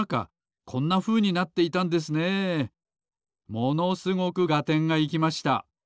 ものすごくがてんがいきました。